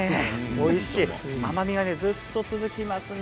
おいしい甘みがずっと続きますね。